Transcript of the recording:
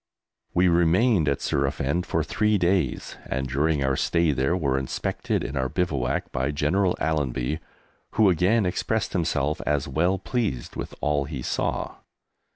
We remained at Surafend for three days, and during our stay there, were inspected in our bivouac by General Allenby, who again expressed himself as well pleased with all he saw.